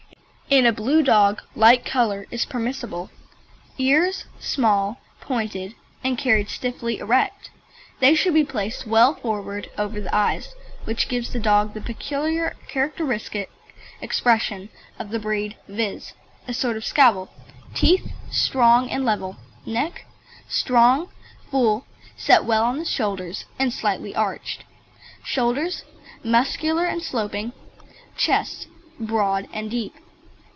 (In a blue dog light colour is permissible.) EARS Small, pointed, and carried stiffly erect. They should be placed well forward over the eyes, which gives the dog the peculiar characteristic expression of the breed viz., a sort of scowl. TEETH Strong and level. NECK Strong, full, set well on the shoulders, and slightly arched. SHOULDERS Muscular and sloping. CHEST Broad and deep.